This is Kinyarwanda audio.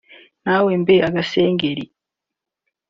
nawe bwe agisengera